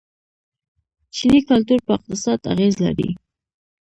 چیني کلتور په اقتصاد اغیز لري.